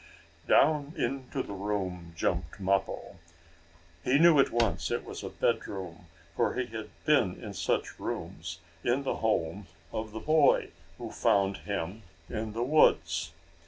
Down into the room jumped Mappo. He knew at once it was a bedroom, for he had been in such rooms in the home of the boy who found him in the woods.